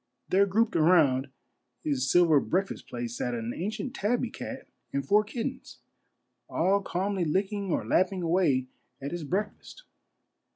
There grouped around his sil ver breakfast plate sat an ancient tabby cat and four kittens, all calmly licking or lapping away at his breakfast.